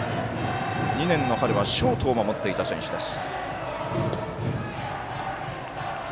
２年の春はショートを守っていた選手です。